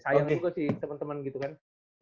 sayang juga sih temen temen gitu kan